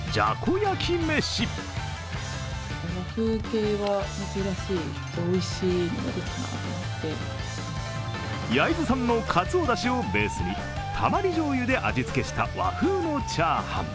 焼津産のかつおだしをベースにたまりじょうゆで味付けした和風のチャーハン。